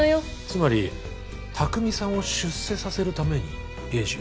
つまり拓未さんを出世させるために栄治を？